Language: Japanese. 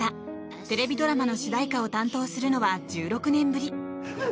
テレビドラマの主題歌を担当するのは１６年ぶり。